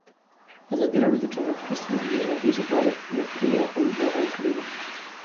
ازادي راډیو د ټرافیکي ستونزې د اغېزو په اړه ریپوټونه راغونډ کړي.